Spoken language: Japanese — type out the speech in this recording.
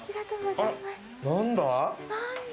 何だ？